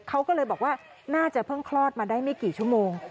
เขาก็เลยบอกว่าน่าจะเพิ่งคลอดมาได้ไม่กี่ชั่วโมง